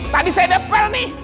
tadi saya depel nih